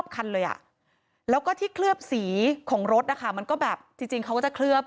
คันเลยแล้วก็ที่เคลือบสีของรถนะคะมันก็แบบจริงเขาก็จะเคลือบ